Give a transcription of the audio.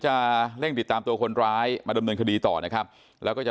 จะเร่งติดตามตัวคนร้ายมาดำเนินคดีต่อนะครับแล้วก็จะ